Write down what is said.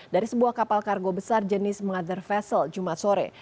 dari sebuah kapal kargo besar jenis mother vessel jumat sore